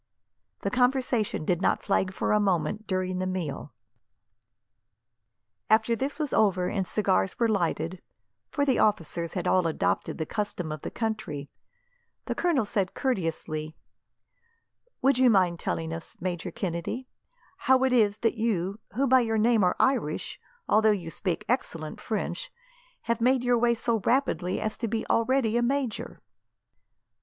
The conversation did not flag for a moment during the meal. After this was over, and cigars were lighted for the officers had all adopted the custom of the country the colonel said courteously, "Would you mind telling us, Major Kennedy, how it is that you, who by your name are Irish, although you speak excellent French, have made your way so rapidly as to be already a major?"